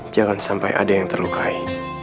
jangan sampai ada yang terlukai